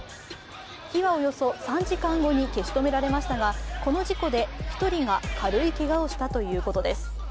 火はおよそ３時間後に消し止められましたがこの事故で１人が軽いけがをしたということです。